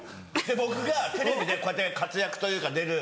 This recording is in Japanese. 僕がテレビでこうやって活躍というか出る。